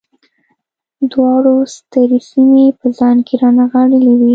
دواړو سترې سیمې په ځان کې رانغاړلې وې